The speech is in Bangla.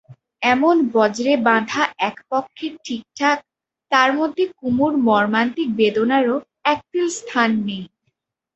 এমন বজ্রে-বাঁধা একপক্ষের ঠিকঠাক, তার মধ্যে কুমুর মর্মান্তিক বেদনারও এক তিল স্থান নেই।